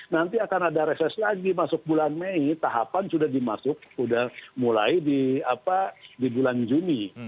nanti akan ada reses lagi masuk bulan mei tahapan sudah dimasuk sudah mulai di bulan juni